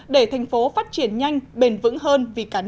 để thành phố phát triển nhanh bền vững hơn